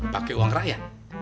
pakai uang rakyat